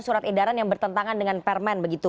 surat edaran yang bertentangan dengan permen begitu